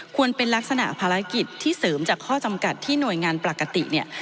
เป็นลักษณะภารกิจที่เสริมจากข้อจำกัดที่หน่วยงานปกติเนี่ย